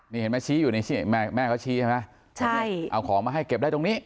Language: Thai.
นี่เห็นมั้ยแม่เขาชี้ใช่ไหมเอาของมาให้เก็บได้ตรงนี้